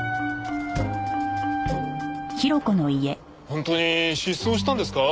本当に失踪したんですか？